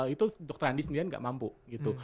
itu dokter andi sendirian nggak mampu gitu